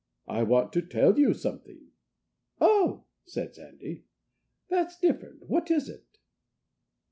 I want to tell you something." "Oh!" said Sandy. "That's different. What is it?"